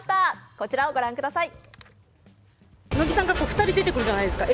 こちらをご覧ください。